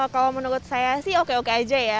kalau menurut saya sih oke oke aja ya